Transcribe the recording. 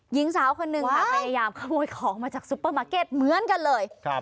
หญิงสาวคนหนึ่งค่ะพยายามขโมยของมาจากซุปเปอร์มาร์เก็ตเหมือนกันเลย